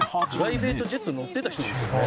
「プライベートジェットに乗ってた人ですよね？」